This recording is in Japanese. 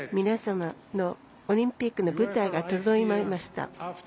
皆様のオリンピックの舞台が整いました。